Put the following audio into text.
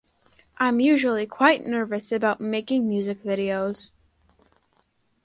I’m usually quite nervous about making music videos.